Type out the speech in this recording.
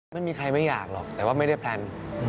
ไม่มีใครไม่อยากหรอกแต่ว่าไม่ได้แพลน